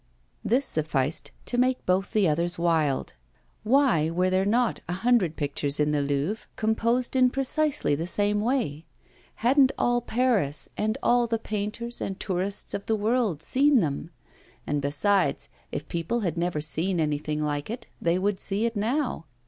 This sufficed to make both the others wild. Why, were there not a hundred pictures in the Louvre composed in precisely the same way? Hadn't all Paris and all the painters and tourists of the world seen them? And besides, if people had never seen anything like it, they would see it now.